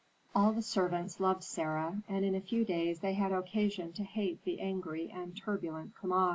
All the servants loved Sarah, and in a few days they had occasion to hate the angry and turbulent Kama.